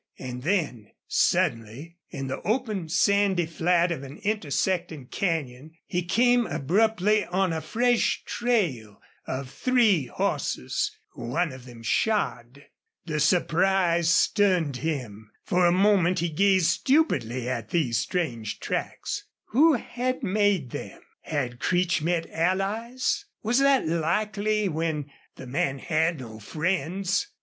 And then, suddenly, in the open, sandy flat of an intersecting canyon he came abruptly on a fresh trail of three horses, one of them shod. The surprise stunned him. For a moment he gazed stupidly at these strange tracks. Who had made them? Had Creech met allies? Was that likely when the man had no friends?